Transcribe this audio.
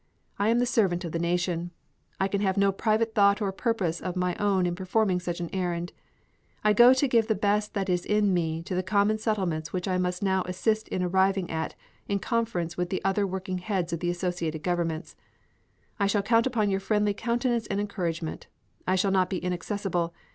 I am the servant of the Nation. I can have no private thought or purpose of my own in performing such an errand. I go to give the best that is in me to the common settlements which I must now assist in arriving at in conference with the other working heads of the associated governments. I shall count upon your friendly countenance and encouragement. I shall not be inaccessible.